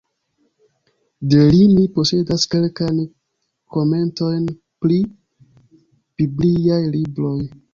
De li ni posedas kelkajn komentojn pri bibliaj libroj.